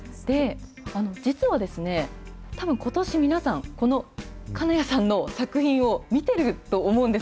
実は、たぶんことし皆さん、この金谷さんの作品を見てると思うんです。